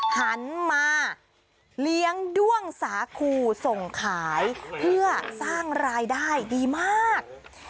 หันมาเลี้ยงด้วงสาคูส่งขายเพื่อสร้างรายได้ดีมาก